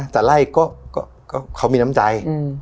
แต่ไล่ก็เขามีน้ำใจ